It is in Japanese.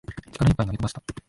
力いっぱい投げ飛ばした